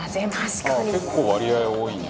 「結構割合多いね」